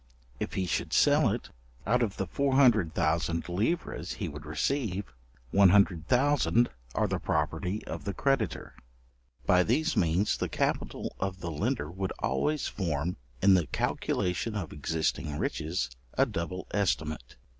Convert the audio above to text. If he should sell it; out of the 400,000 livres he would receive, 100,000 are the property of the creditor. By these means the capital of the lender would always form, in the calculation of existing riches, a double estimate.